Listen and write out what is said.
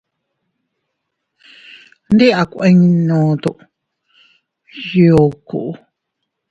Ndi a kuinno tu iyuku.